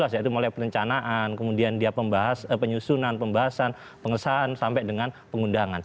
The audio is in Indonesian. yaitu mulai perencanaan kemudian dia penyusunan pembahasan pengesahan sampai dengan pengundangan